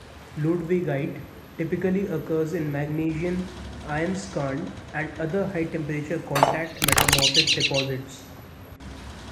Ludwigite typically occurs in magnesian iron skarn and other high temperature contact metamorphic deposits.